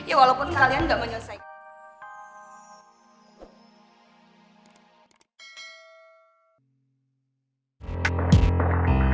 ya walaupun kalian gak menyelesaikan